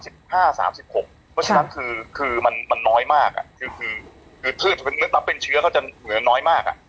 เพราะฉะนั้นคือมันน้อยมากคือเมื่อตัดเป็นเชื้อเขาจะเหมือนน้อยมาก